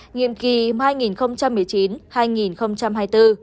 nhiệm kỳ hai nghìn một mươi chín hai nghìn hai mươi bốn